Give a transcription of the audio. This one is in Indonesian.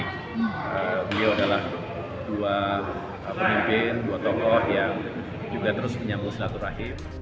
beliau adalah dua pemimpin dua tokoh yang juga terus menyambung silaturahim